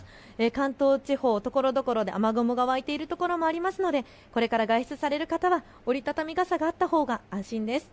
関東地方ところどころで雨雲が湧いているところもありますのでこれから外出される方は折り畳み傘があったほうが安心です。